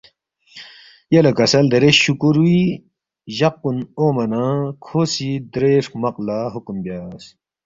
یلے کسل دیرے شُوکُورُوی جق کُن اونگما نہ کھو سی درے ہرمق لہ حکم بیاس